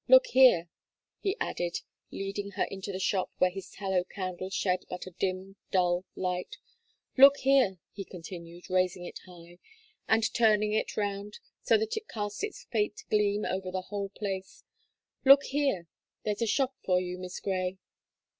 Look here!" he added, leading her into the shop where his tallow candle shed but a dim, dull light, "look here," he continued, raising it high, and turning it round so that it cast its faint gleam over the whole place, "look here; there's a shop for you, Miss Gray.